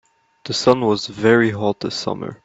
The sun was very hot this summer.